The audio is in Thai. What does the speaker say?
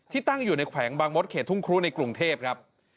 ตั้งอยู่ในแขวงบางมดเขตทุ่งครูในกรุงเทพครับ